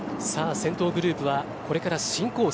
先頭グループはこれから新コース